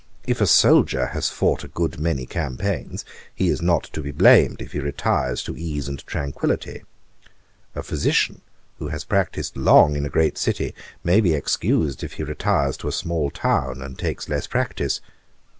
If a soldier has fought a good many campaigns, he is not to be blamed if he retires to ease and tranquillity. A physician, who has practised long in a great city, may be excused if he retires to a small town, and takes less practice.